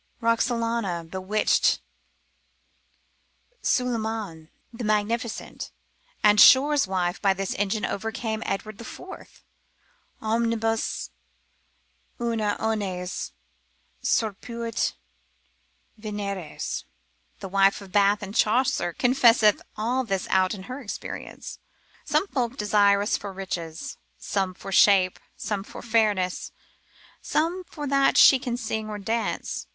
Roxalana bewitched Suleiman the Magnificent, and Shore's wife by this engine overcame Edward the Fourth, Omnibus una omnes surripuit Veneres. The wife of Bath in Chaucer confesseth all this out of her experience. Some folk desire us for riches. Some for shape, some for fairness, Some for that she can sing or dance.